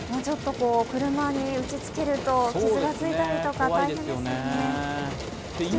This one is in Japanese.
車に打ちつけると傷がついたりと、大変ですね。